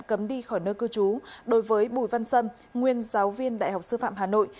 cấm đi khỏi nơi cư trú đối với bùi văn sâm nguyên giáo viên đại học sư phạm hà nội